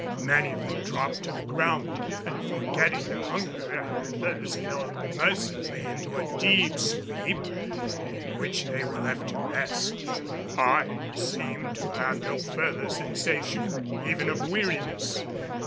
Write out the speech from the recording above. Many of them dropped to the ground, and, forgetting their hunger and their thirst fell mercifully into a deep sleep in which they were left to rest. I seemed to have no further sensation even of weariness.